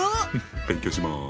勉強します！